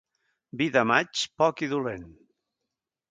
Vi de maig, poc i dolent.